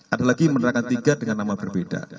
ada lagi menerangkan tiga dengan nama berbeda